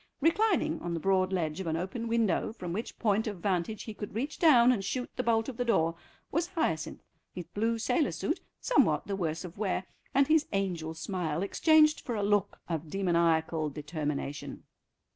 Reclining on the broad ledge of an open window, from which point of vantage he could reach down and shoot the bolt of the door, was Hyacinth, his blue sailor suit somewhat the worse of wear, and his angel smile exchanged for a look of demoniacal determination.